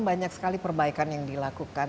banyak sekali perbaikan yang dilakukan